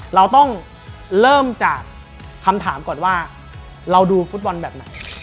เราต้องเริ่มจากคำถามก่อนว่าเราดูฟุตบอลแบบไหน